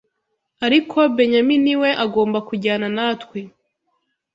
ariko Benyamini we agomba kujyana natwe